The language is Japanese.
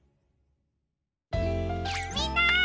みんな！